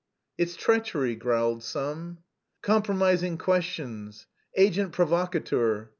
"It's treachery!" growled some. "Compromising questions!" _"Agent provocateur!"